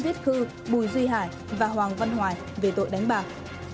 tiết khư bùi duy hải và hoàng văn hoài về tội đánh bạc